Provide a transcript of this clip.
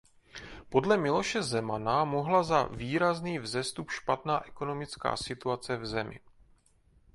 Podle Miloše Zemana mohla za výrazný vzestup špatná ekonomická situace v zemi.